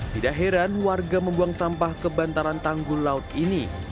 tidak heran warga membuang sampah ke bantaran tanggul laut ini